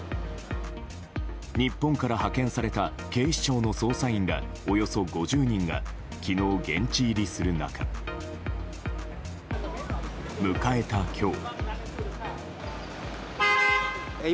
日本から派遣された警視庁の捜査員らおよそ５０人が昨日、現地入りする中迎えた今日。